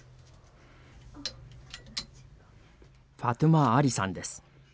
ファトゥマ・アリさんです。